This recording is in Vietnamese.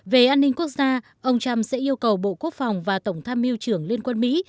về an ninh quốc gia ông trump sẽ yêu cầu bộ quốc phòng và tổng tham mưu trưởng liên quân mỹ